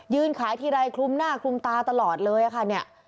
ขายทีไรคลุมหน้าคลุมตาตลอดเลยค่ะเนี่ย